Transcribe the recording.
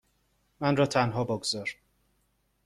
من را تنها بگذار.